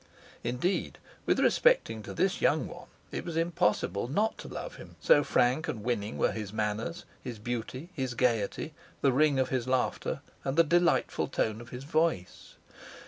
Indeed, with respect to this young one, it was impossible not to love him, so frank and winning were his manners, his beauty, his gayety, the ring of his laughter, and the delightful tone of his voice.